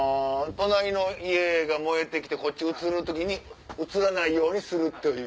隣の家が燃えて来てこっち移る時に移らないようにするという。